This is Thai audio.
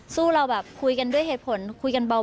เราแบบคุยกันด้วยเหตุผลคุยกันเบา